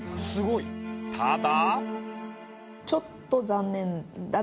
ただ。